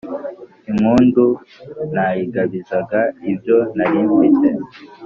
Ingundu nayigabizaga ibyo narimfite